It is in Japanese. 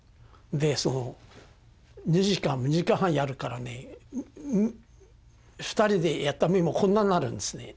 で２時間も２時間半やるからね二人でやったメモこんなんなるんですね。